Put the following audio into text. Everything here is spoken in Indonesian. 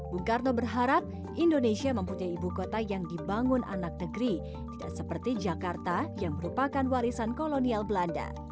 bung karno berharap indonesia mempunyai ibu kota yang dibangun anak negeri tidak seperti jakarta yang merupakan warisan kolonial belanda